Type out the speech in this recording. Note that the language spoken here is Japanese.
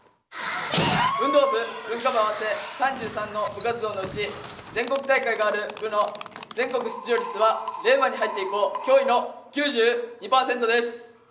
運動部、文化部合わせ３３の部活動のうち全国大会がある部の全国出場率は令和に入って以降驚異の９２％です。